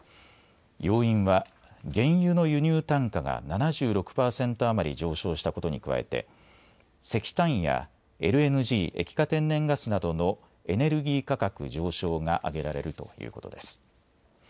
要因は原油の輸入単価が７６％余り上昇したことに加えて石炭やＬＮＧ・液化天然ガスなどのエネルギー価格上昇が挙げられるということです。